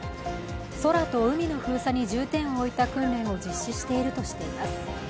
空と海の封鎖に重点を置いた訓練を実施しているとしています。